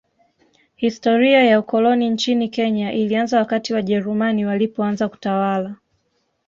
Historia ya ukoloni nchini Kenya ilianza wakati Wajerumani walipoanza kutawala